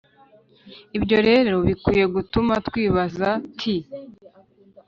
ibyo rero bikwiye gutuma twibaza t